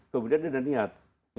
kemudian ada niat